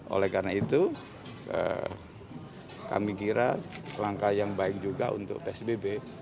oleh karena itu kami kira langkah yang baik juga untuk psbb